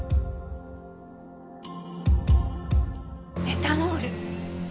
エタノール。